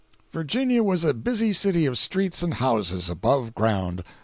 Virginia was a busy city of streets and houses above ground.